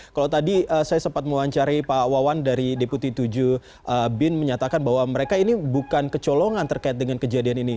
kalau tadi saya sempat mewawancari pak wawan dari deputi tujuh bin menyatakan bahwa mereka ini bukan kecolongan terkait dengan kejadian ini